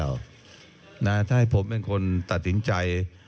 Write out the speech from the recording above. ถ้าให้ผมเป็นคนตัดสินใจ